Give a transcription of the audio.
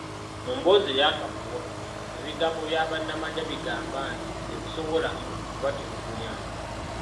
Mu mboozi ey'akafubo, ebigambo bya bannamagye bigamba nti, "Tetusobola kubatulugunya".